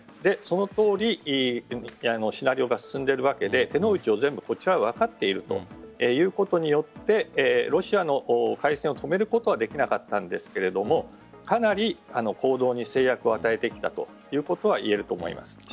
そのとおりシナリオが進んでいるわけで手の内をこちらは分かっているということによってロシアの開戦を止めることはできなかったんですがかなり行動に制約を与えてきたということは言えると思います。